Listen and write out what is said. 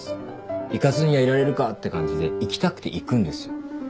行かずにはいられるかって感じで行きたくて行くんです。